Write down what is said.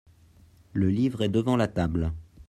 Le livre est devant la table.